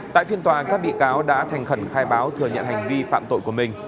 tại phiên tòa các bị cáo đã thành khẩn khai báo thừa nhận hành vi phạm tội của mình